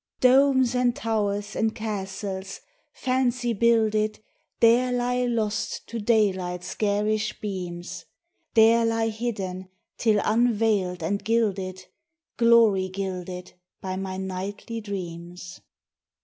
Domes and towers and castles, fancy builded, There lie lost to daylight's garish beams, — There lie hidden till unveiled and gilded, Glory gilded, by my nightly dreams